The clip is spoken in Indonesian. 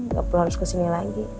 nggak perlu harus kesini lagi